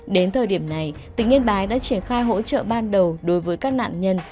đến thời điểm này tỉnh yên bái đã triển khai hỗ trợ ban đầu đối với các nạn nhân